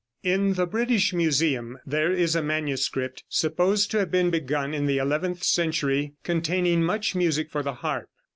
In the British Museum there is a manuscript supposed to have been begun in the eleventh century, containing much music for the harp.